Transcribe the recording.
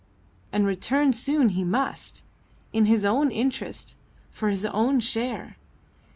And return soon he must in his own interest, for his own share.